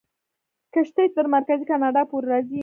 کښتۍ تر مرکزي کاناډا پورې راځي.